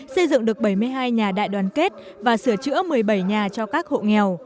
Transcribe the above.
xây dựng được bảy mươi hai nhà đại đoàn kết và sửa chữa một mươi bảy nhà cho các hộ nghèo